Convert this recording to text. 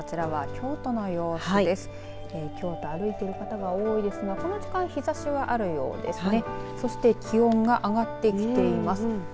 京都を歩いている方が多いですがこの時間日ざしはあるようですね。